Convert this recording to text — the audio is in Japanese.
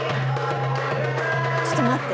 ちょっと待って。